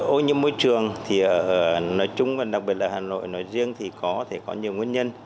ô nhiễm môi trường thì nói chung và đặc biệt là hà nội nói riêng thì có thể có nhiều nguyên nhân